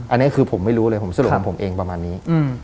อันนี้คือผมไม่รู้เลยผมสรุปของผมเองประมาณนี้